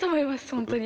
本当に。